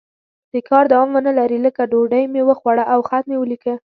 د کار دوام ونه لري لکه ډوډۍ مې وخوړه او خط مې ولیکه.